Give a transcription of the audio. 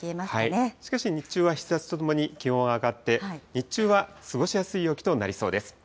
しかし、日中は日ざしとともに気温は上がって、日中は過ごしやすい陽気となりそうです。